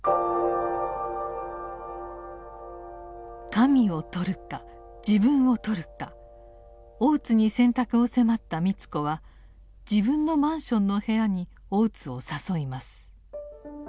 神をとるか自分をとるか大津に選択を迫った美津子は自分のマンションの部屋に大津を誘います。